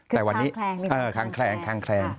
คือค้างแคลงค้างแคลงค้างแคลง